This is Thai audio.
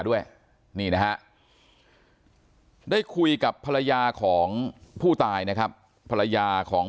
ด้วยนี่นะฮะได้คุยกับภรรยาของผู้ตายนะครับภรรยาของ